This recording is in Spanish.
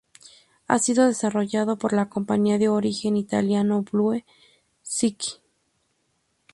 Ha sido desarrollado por la compañía de origen italiano Blue Sky.